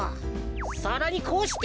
さらにこうして。